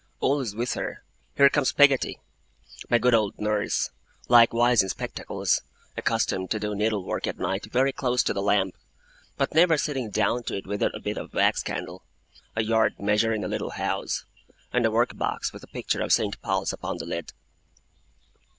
Always with her, here comes Peggotty, my good old nurse, likewise in spectacles, accustomed to do needle work at night very close to the lamp, but never sitting down to it without a bit of wax candle, a yard measure in a little house, and a work box with a picture of St. Paul's upon the lid.